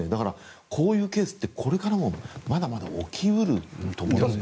こういうケースってこれからもまだまだ起き得ると思います。